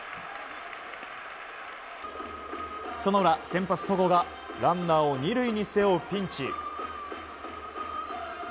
その裏、先発、戸郷がランナーを２塁に背負うピンチ。